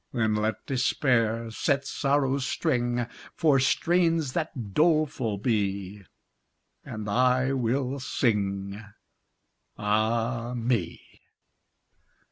Then let despair set sorrow's string, For strains that doleful be; And I will sing, Ah me!